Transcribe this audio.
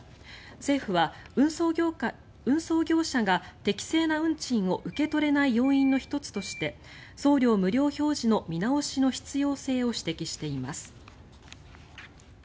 政府は、運送業者が適正な運賃を受け取れない要因の１つとして送料無料表示の見直しの必要性を指摘しています。